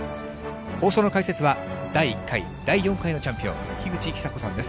放送の解説は、第１回、第４回のチャンピオン、樋口久子さんです。